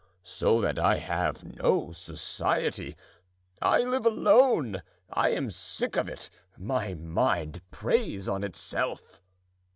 So that I have no society; I live alone; I am sick of it—my mind preys on itself."